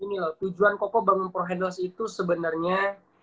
ini loh tujuan koko bangun pro handels itu sebenarnya